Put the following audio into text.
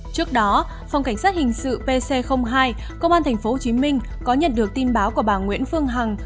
trước đó phòng cảnh sát hình sự pc hai công an tp hcm có nhận được tin báo của bà nguyễn phương hằng